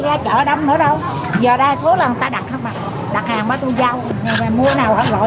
ra chợ đâm nữa đâu giờ đa số là người ta đặt thôi mà đặt hàng ba tui giao người ta mua nào gọi